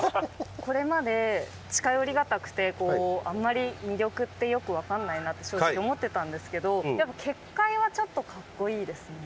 これまで近寄りがたくてあんまり魅力ってよくわかんないなって正直思ってたんですけどやっぱ結界はちょっとかっこいいですね。